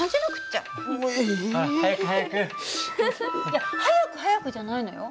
いや「早く早く」じゃないのよ。